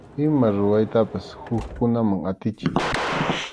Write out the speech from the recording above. Ima ruraytapas hukkunaman atichiy.